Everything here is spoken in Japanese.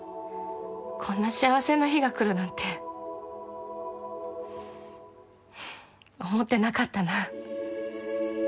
こんな幸せな日が来るなんて思ってなかったな。